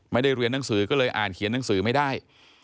ไม่ได้เรียนหนังสือก็เลยอ่านเขียนหนังสือไม่ได้